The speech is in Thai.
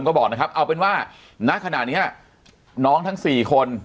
๘๐นักที่เห็นหลักฐานตอนนี้